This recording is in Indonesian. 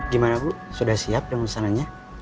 gimana bu sudah siap dengan pesanannya